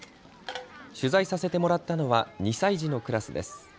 取材させてもらったのは２歳児のクラスです。